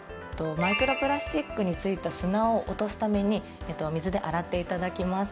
マイクロプラスチックに付いた砂を落とすために水で洗っていただきます。